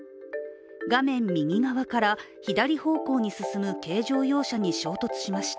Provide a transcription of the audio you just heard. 画面右側から左方向に進む軽乗用車に衝突しました。